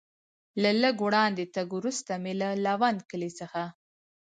له لږ وړاندې تګ وروسته مې له لوند کلي څخه.